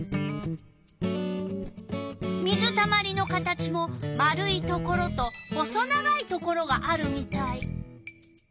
水たまりの形も丸いところと細長いところがあるみたい。